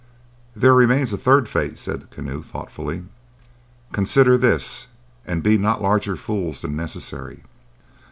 "There remains a third fate," said the Keneu, thoughtfully. "Consider this, and be not larger fools than necessary.